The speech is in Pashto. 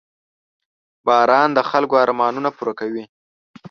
• باران د خلکو ارمانونه پوره کوي.